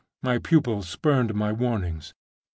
My pupil spurned my warnings.